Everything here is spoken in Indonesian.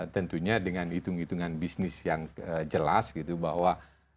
tentunya dengan hitung hitungan bisnis yang jelas gitu bahwa